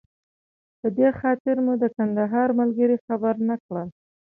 په دې خاطر مو د کندهار ملګري خبر نه کړل.